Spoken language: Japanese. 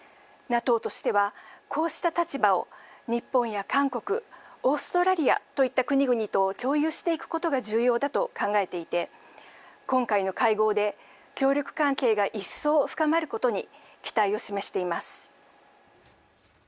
ＮＡＴＯとしては、こうした立場を日本や韓国、オーストラリアといった国々と共有していくことが重要だと考えていて、今回の会合で協力関係が一層深まることに期待を示しています。